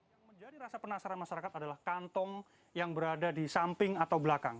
yang menjadi rasa penasaran masyarakat adalah kantong yang berada di samping atau belakang